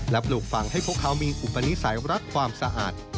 ปลูกฟังให้พวกเขามีอุปนิสัยรักความสะอาด